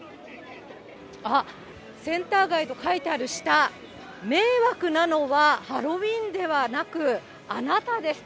あっ、センター街と書いてある下、迷惑なのは、ハロウィーンではなく、あなたです。